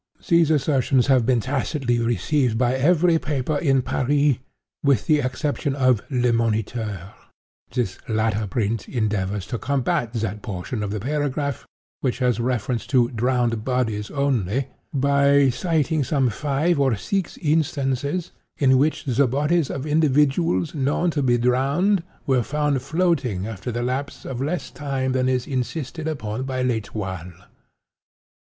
"These assertions have been tacitly received by every paper in Paris, with the exception of Le Moniteur. (*15) This latter print endeavors to combat that portion of the paragraph which has reference to 'drowned bodies' only, by citing some five or six instances in which the bodies of individuals known to be drowned were found floating after the lapse of less time than is insisted upon by L'Etoile.